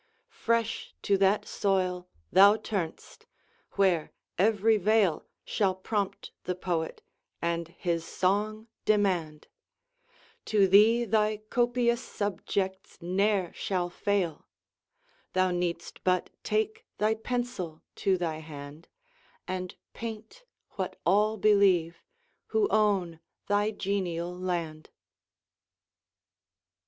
Fresh to that soil thou turn'st, whose every vale Shall prompt the poet, and his song demand: To thee thy copious subjects ne'er shall fail; Thou need'st but take the pencil to thy hand, And paint what all believe who own thy genial land.